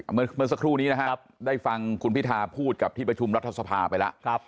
เมื่อสักครู่นี้นะครับได้ฟังคุณพิธาพูดกับที่ประชุมรัฐสภาไปแล้ว